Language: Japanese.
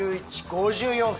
５４歳。